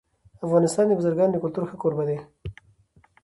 افغانستان د بزګانو د کلتور ښه کوربه دی.